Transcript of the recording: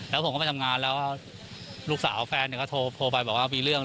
แล้วผมก็ไปทำงานแล้วลูกสาวแฟนก็โทรไปบอกว่ามีเรื่อง